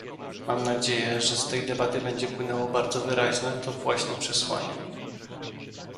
Mam nadzieję, że z tej debaty będzie płynęło bardzo wyraźnie to właśnie przesłanie